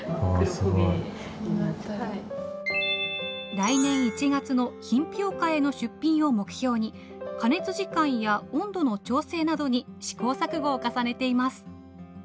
来年１月の品評会への出品を目標に加熱時間や温度の調整などに試行錯誤を重ねています。